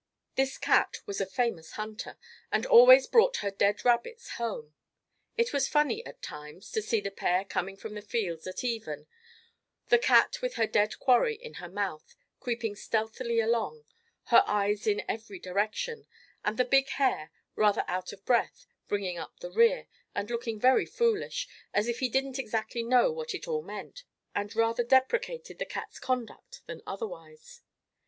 This cat was a famous hunter, and always brought her dead rabbits home. It was funny, at times, to see the pair coming from the fields at even, the cat with her dead quarry in her mouth, creeping stealthily along, her eyes in every direction, and the big hare, rather out of breath, bringing up the rear, and looking very foolish, as if he didn't exactly know what it all meant, and rather deprecated the cat's conduct than otherwise.